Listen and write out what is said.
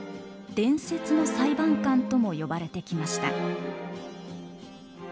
「伝説の裁判官」とも呼ばれてきました。